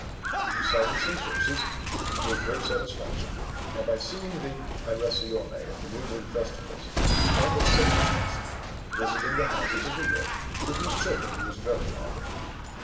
He recited some verses, which gave great satisfaction, and by singing the Eiresione at the New Moon festivals, he earned a subsistence, visiting the houses of the rich, with whose children he was very popular.